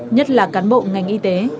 nhất là cán bộ ngành y tế